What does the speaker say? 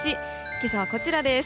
今朝は、こちらです。